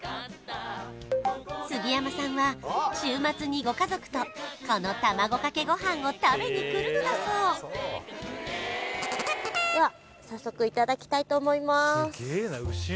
杉山さんは週末にご家族とこの卵かけごはんを食べに来るのだそうでは早速いただきたいと思います